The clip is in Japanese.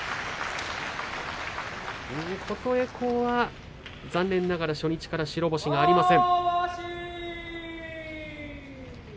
琴恵光は残念ながら初日から白星がありません。